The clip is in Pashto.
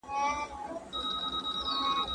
¬ د انسان مخ د خداى له نوره دئ.